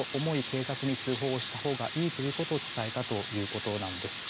警察に通報した方がいいということを伝えたということです。